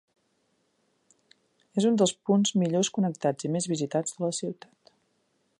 És un dels punts millor connectats i més visitats de la ciutat.